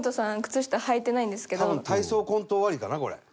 多分体操コント終わりかなこれ。